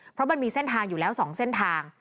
เพราะมันมีเส้นทางอยู่แล้ว๒เส้นทาง